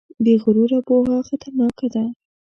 بې غروره پوهه خطرناکه ده.